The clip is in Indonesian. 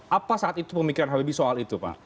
apa saat itu pemikiran habibie soal itu pak